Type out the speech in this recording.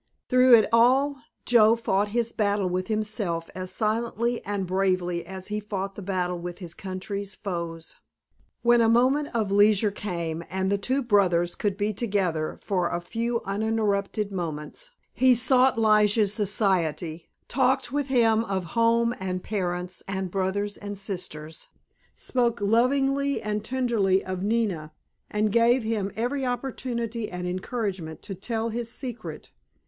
Through it all Joe fought his battle with himself as silently and bravely as he fought the battle with his country's foes. When a moment of leisure came and the two brothers could be together for a few uninterrupted moments he sought Lige's society, talked with him of home and parents and brothers and sisters, spoke lovingly and tenderly of Nina, and gave him every opportunity and encouragement to tell his secret.